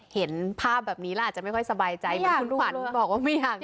เห็นภาพแบบนี้แล้วอาจจะไม่ค่อยสบายใจเหมือนคุณขวัญบอกว่าไม่อยาก